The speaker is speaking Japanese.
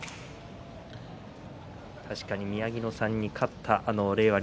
確かに宮城野さんに勝ったあの令和